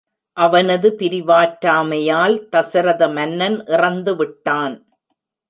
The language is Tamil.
அவனது பிரிவாற்றாமையால் தசரத மன்னன் இறந்து விட்டான்.